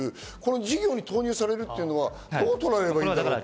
事業に投入されるっていうのはどうとらえればいいんだろう？